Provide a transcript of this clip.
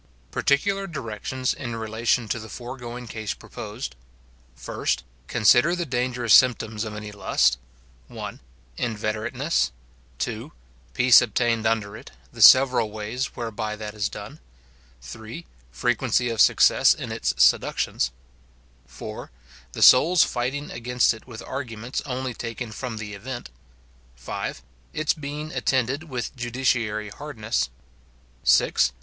Particular directions in relation to the foregoing case proposed — First. Consider the dangerous symptoms of any lust — 1. Invet erateness — 2. Peace obtained under it; the several ways where by that is done — 3. Frequency of success in its seductions — 4. The soul's fighting against it with arguments only taken from the event — 5. Its being attended with judiciary hardness — 6.